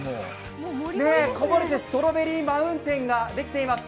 ストロベリーマウンテンができています。